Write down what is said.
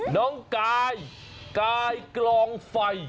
น้องกายกายกลองไฟ